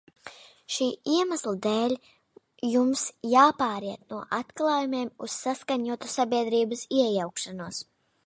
Šī iemesla dēļ jums jāpāriet no atklājumiem uz saskaņotu sabiedrības iejaukšanos.